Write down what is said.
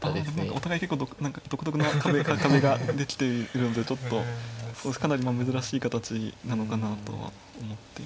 お互い結構何か独特な壁ができているのでちょっとかなり珍しい形なのかなとは思っていました。